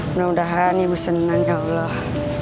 mudah mudahan ibu senang ya allah